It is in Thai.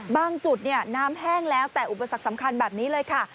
จุดน้ำแห้งแล้วแต่อุปสรรคสำคัญแบบนี้เลยค่ะ